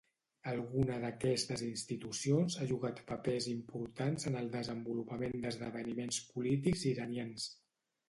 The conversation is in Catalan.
Alguna d'aquestes institucions han jugat papers importants en el desenvolupament d'esdeveniments polítics iranians.